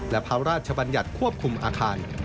และพระราชบัญญัติควบคุมอาคาร